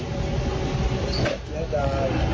เด็กขี่ให้จ่าย